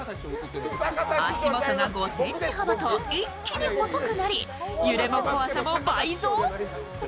足元が５ｃｍ幅と一気に細くなり揺れも怖さも倍増。